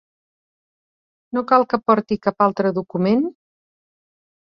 No cal que porti cap altre document?